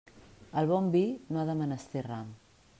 El bon vi no ha de menester ram.